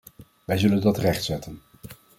Wij zullen dat rechtzetten.